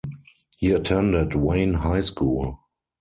He attended Wayne High School.